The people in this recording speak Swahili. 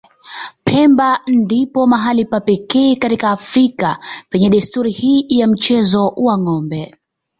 Pemba ndipo mahali pa pekee katika Afrika penye desturi hii ya mchezo wa ng'ombe.